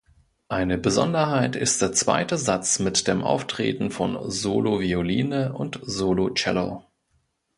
Eine Besonderheit ist der zweite Satz mit dem Auftreten von Solo-Violine und Solo-Cello.